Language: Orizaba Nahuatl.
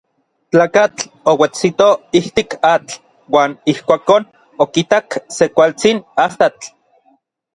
Tlakatl ouetsito ijtik atl uan ijkuakon okitak se kualtsin astatl.